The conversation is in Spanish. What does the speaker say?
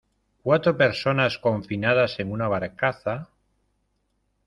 cuatro personas confinadas en una barcaza...